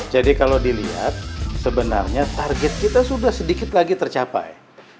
kalau dilihat sebenarnya target kita sudah sedikit lagi tercapai